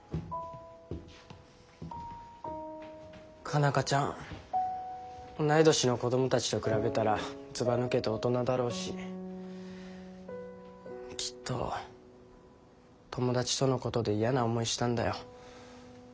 佳奈花ちゃん同い年の子どもたちと比べたらずばぬけて大人だろうしきっと友達とのことで嫌な思いしたんだよ。